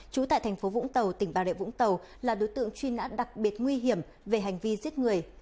trú tại thành phố vũng tàu tỉnh bà rịa vũng tàu là đối tượng truy nã đặc biệt nguy hiểm về hành vi giết người